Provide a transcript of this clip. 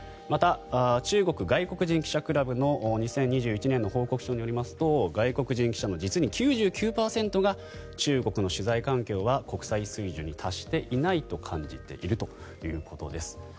また、中国外国人記者クラブの２０２１年の報告書によりますと外国人記者の実に９９％が中国の取材環境は国際水準に達していないと感じているということです。